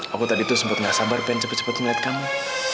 aku tadi tuh sempat nggak sabar pengen cepet cepet ngeliat kamu